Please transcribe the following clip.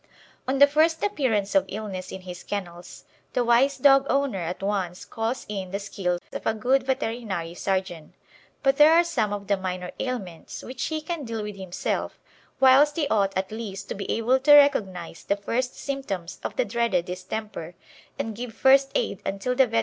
On the first appearance of illness in his kennels the wise dog owner at once calls in the skill of a good veterinary surgeon, but there are some of the minor ailments which he can deal with himself whilst he ought at least to be able to recognise the first symptoms of the dreaded Distemper and give first aid until the vet.